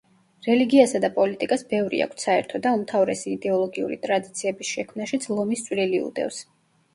რელიგიასა და პოლიტიკას ბევრი აქვთ საერთო და უმთავრესი იდეოლოგიური ტრადიციების შექმნაშიც ლომის წვლილი უდევს.